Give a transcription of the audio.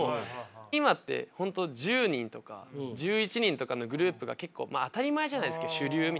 今って本当１０人とか１１人とかのグループが結構当たり前じゃないですか主流みたいな。